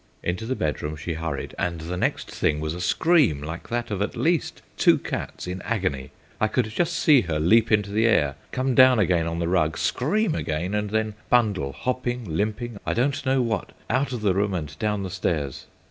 Into the bedroom she hurried, and the next thing was a scream like that of at least two cats in agony! I could just see her leap into the air, come down again on the rug, scream again, and then bundle, hopping, limping I don't know what out of the room and down the stairs.